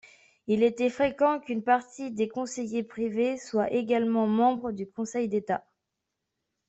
Il était fréquent qu'une partie des conseillers privés soient également membres du conseil d’État.